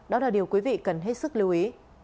đó là điều quý vị cần hết sức lưu ý